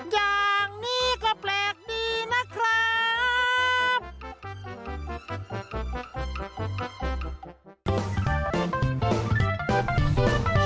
อย่างนี้ก็แปลกดีนะครับ